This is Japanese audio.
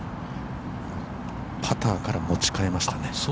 ◆パターから持ちかえましたね。